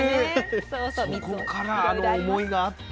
そこからあの思いがあって。